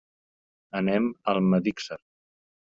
Anem a Almedíxer.